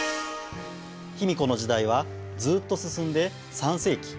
卑弥呼の時代はずっと進んで３世紀。